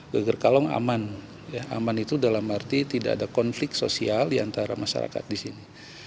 geger kalong aman aman itu dalam arti tidak ada konflik sosial diantara masyarakat di sini